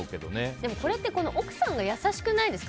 でも、それって奥さんが優しくないですか。